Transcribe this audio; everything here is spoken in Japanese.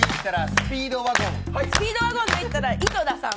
スピードワゴンと言ったら井戸田さん。